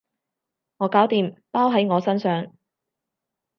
我搞掂，包喺我身上